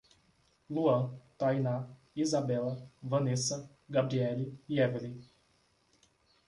Luan, Tainá, Isabella, Vanesa, Gabriele e Evely